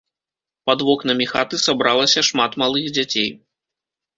Пад вокнамі хаты сабралася шмат малых дзяцей.